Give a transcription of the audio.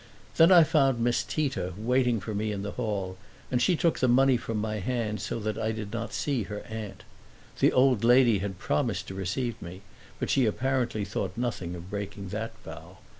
Then I found Miss Tita waiting for me in the hall, and she took the money from my hand so that I did not see her aunt. The old lady had promised to receive me, but she apparently thought nothing of breaking that vow.